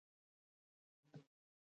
د پلور د دندې له لارې وګټئ.